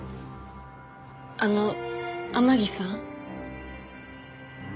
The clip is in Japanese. あの天樹さん。